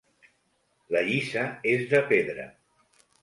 La lliça és de pedra.